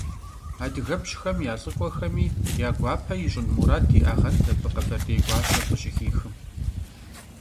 Адыгэпщхэм я лӀыкӀуэхэми я гуапэ ищӀын мурад иӀагъэнщ абы къэбэрдей гуащэр къыщыхихым.